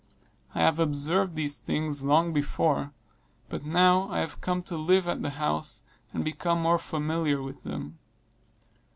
I had observed these things long before, but now I had come to live at the house, and became more familiar with them.